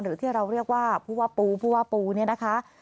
หรือที่เราเรียกว่าผู้ว่าปูนี่นะคะ